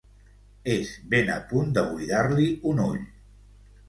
És ben a punt de buidar-li un ull.